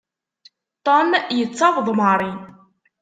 Tom yettaweḍ Mary.